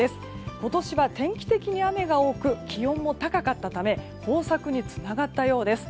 今年は天気的に雨が多く気温が高かったため豊作につながったようです。